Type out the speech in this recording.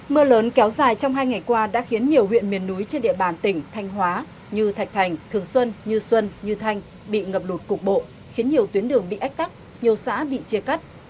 mưa lớn kéo dài trong hai ngày qua đã khiến nhiều huyện miền núi trên địa bàn tỉnh thanh hóa như thạch thành thường xuân như xuân như thanh bị ngập lụt cục bộ khiến nhiều tuyến đường bị ách tắc nhiều xã bị chia cắt